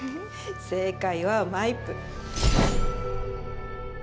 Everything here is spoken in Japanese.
正解はマイプ。